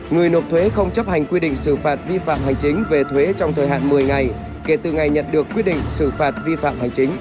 người nộp thuế không chấp hành quy định xử phạt vi phạm hành chính về thuế trong thời hạn một mươi ngày kể từ ngày nhận được quyết định xử phạt vi phạm hành chính